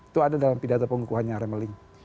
itu ada dalam pidata pengukuhannya remmeling